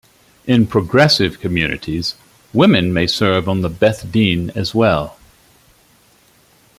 In progressive communities, women may serve on the "beth din" as well.